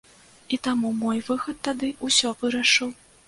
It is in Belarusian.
І таму мой выхад тады ўсё вырашыў.